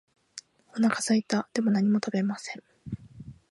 お腹すいた。でも何も食べません。